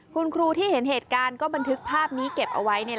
คุณครูที่เห็นเหตุการณ์ก็บันทึกภาพนี้เก็บเอาไว้